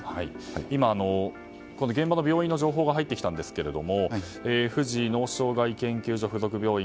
今、この現場の病院の情報が入ってきたんですが富士脳障害研究所属附属病院